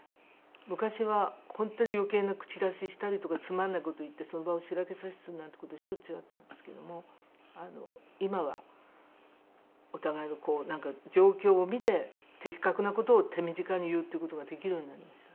昔は本当に余計な口出ししたりとかつまんない事を言ってその場をしらけさせるなんて事しょっちゅうあったんですけども今はお互いのこうなんか状況を見て的確な事を手短に言うっていう事ができるようになりました。